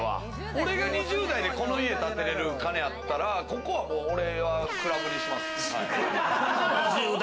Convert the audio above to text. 俺が２０代でこの家建てれる金あったら、ここはもう俺はクラブにします。